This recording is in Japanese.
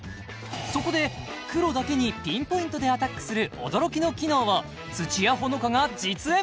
そこで黒だけにピンポイントでアタックする驚きの機能を土屋炎伽が実演！